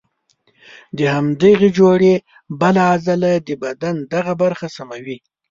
د همدغې جوړې بله عضله د بدن دغه برخه سموي.